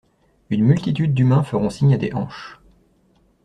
Une multitude d'humains feront signe à des hanches.